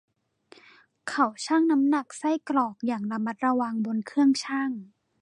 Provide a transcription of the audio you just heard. เขาชั่งน้ำหนักไส้กรอกอย่างระมัดระวังบนเครื่องชั่ง